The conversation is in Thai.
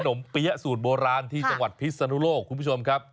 มเปี๊ยะสูตรโบราณที่จังหวัดพิศนุโลกคุณผู้ชมครับ